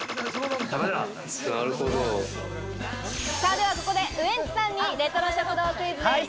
では、ここでウエンツさんにレトロ食堂クイズです。